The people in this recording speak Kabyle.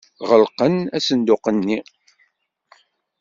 Ɣelqen asenduq-nni.